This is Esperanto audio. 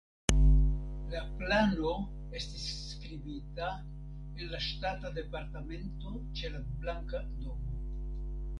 La plano estis skribita en la Ŝtata Departemento ĉe la Blanka Domo.